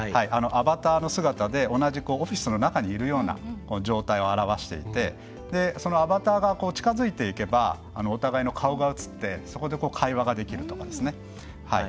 アバターの姿で同じオフィスの中にいるような状態を表していてそのアバターが近づいていけばお互いの顔が映ってそこで会話ができるとかですね。